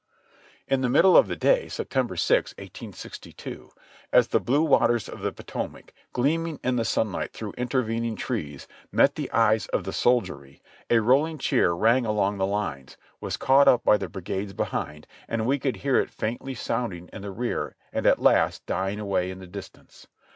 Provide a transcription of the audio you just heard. In the middle of the day, September 6. 1862, as the blue waters of the Potomac, gleaming in the sunlight through intervening trees, met the eyes of the soldiery, a rolling cheer rang along the hnes, was caught up by the brigades behind, and we could hear it faintly sounding in the rear and at last dying away in the dis tance.